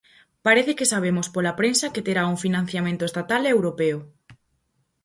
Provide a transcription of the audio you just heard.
Parece que sabemos pola prensa que terá un financiamento estatal e europeo.